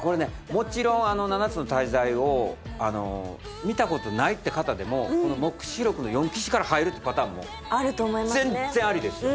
もちろん「七つの大罪」を見たことないって方でもこの「黙示録の四騎士」から入るってパターンもあると思いますね全然ありですよ